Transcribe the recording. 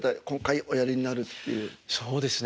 そうですね。